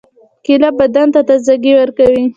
کېله بدن ته تازګي ورکوي.